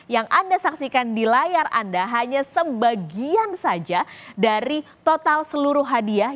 yang anda saksikan di layar anda hanya sebagian saja dari total seluruh hadiah